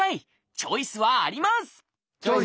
チョイスはあります！